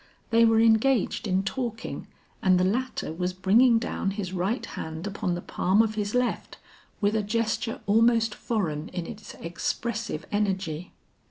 They were engaged in talking, and the latter was bringing down his right hand upon the palm of his left with a gesture almost foreign in its expressive energy.